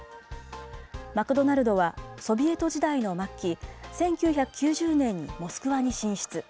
マクドナルドは、ソビエト時代の末期、１９９０年、モスクワに進出。